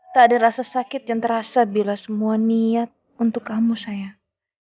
tak ada rasa sakit yang terasa bila semua niat untuk kamu sayang